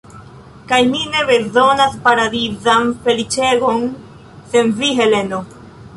Kaj mi ne bezonas paradizan feliĉegon sen vi, Heleno.